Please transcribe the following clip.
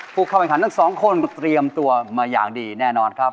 ผู้เข้าแข่งขันทั้งสองคนเตรียมตัวมาอย่างดีแน่นอนครับ